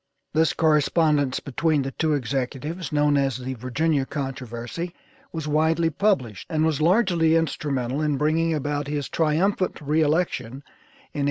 This correspondence between the two executives known as "The Virginia Controversy" was widely published, and was largely instrumental in bringing about his triumphant re election in 1840.